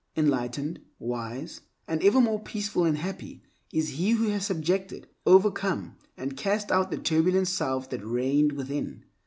Enlightened, wise, and evermore peaceful and happy is he who has subjected, overcome, and cast out the turbulent self that reigned within.